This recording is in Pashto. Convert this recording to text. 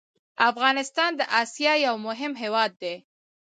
افغانستان د اسيا يو مهم هېواد ده